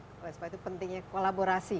oleh sebab itu pentingnya kolaborasi